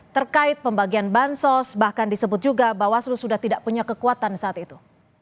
terkait pembagian bansos bahkan disebut juga bawaslu sudah tidak punya kekuatan saat itu